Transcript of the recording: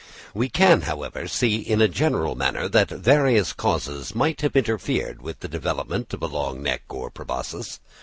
We can, however, see in a general manner that various causes might have interfered with the development of a long neck or proboscis.